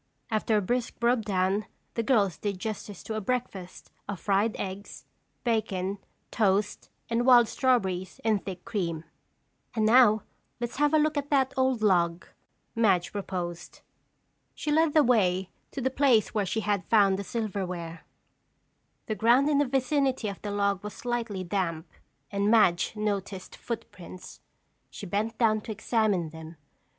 After a brisk rub down, the girls did justice to a breakfast of fried eggs, bacon, toast and wild strawberries in thick cream. "And now, let's have a look at that old log," Madge proposed. She led the way to the place where she had found the silverware. The ground in the vicinity of the log was slightly damp and Madge noticed footprints. She bent down to examine them.